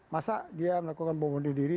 masa dia melakukan bomondi diri